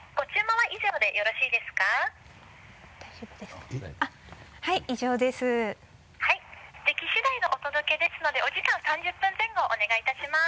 はいでき次第のお届けですのでお時間３０分前後お願いいたします。